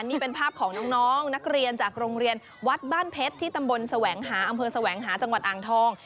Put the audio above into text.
นี่เป็นภาพของน้องนักเรียนจากโรงเรียนวัดบ้านเพชรที่ตำบลแสวงหาอำเภอแสวงหาจังหวัดอ่างทอง